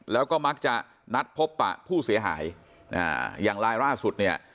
แล้วก็มักจะนัดพบปะผู้เสียหายอ่าอย่างลายล่าสุดเนี่ย